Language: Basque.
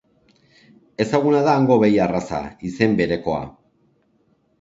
Ezaguna da hango behi arraza, izen berekoa.